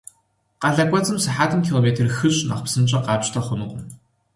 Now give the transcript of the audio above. Къалэ кӏуэцӏым сыхьэтым километр хыщӏ нэхъ псынщӏэ къапщтэ хъунукъым.